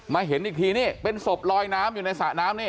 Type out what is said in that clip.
เห็นอีกทีนี่เป็นศพลอยน้ำอยู่ในสระน้ำนี่